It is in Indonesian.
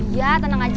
iya tenang aja